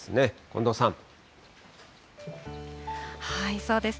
近藤さん。